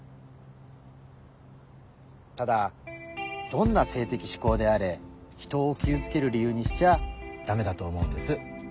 ただどんな性的嗜好であれひとを傷つける理由にしちゃダメだと思うんです。